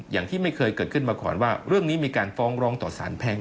อย่างที่ไม่เคยเกิดขึ้นมาก่อนว่าเรื่องนี้มีการฟ้องร้องต่อสารแพ่ง